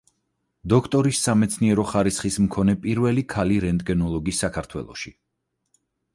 დოქტორის სამეცნიერო ხარისხის მქონე პირველი ქალი რენტგენოლოგი საქართველოში.